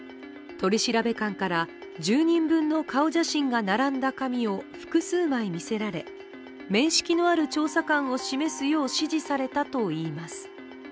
取調官から１０人分の顔写真が並んだ紙を複数枚見せられ、面識のある調査官を示すよう指示されたといいます。